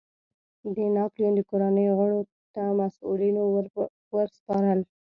د ناپلیون د کورنیو غړو ته مسوولیتونو ور سپارل.